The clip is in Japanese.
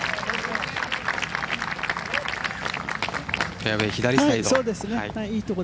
フェアウェイ左サイド。